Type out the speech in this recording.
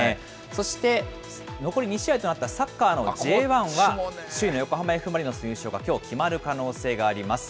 そして残り２試合となったサッカーのＪ１は、首位の横浜Ｆ・マリノスの優勝、きょう決まる可能性があります。